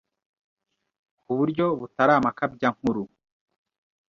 ku buryo butari amakabyankuru